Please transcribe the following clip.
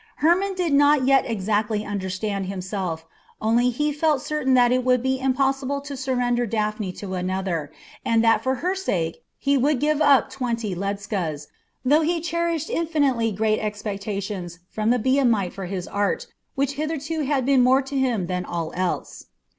Hermon did not yet exactly understand himself, only he felt certain that it would be impossible to surrender Daphne to another, and that for her sake he would give up twenty Ledschas, though he cherished infinitely great expectations from the Biamite for his art, which hitherto had been more to him than all else.